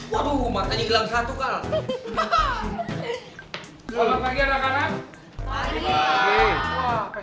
waduh matanya hilang satu kali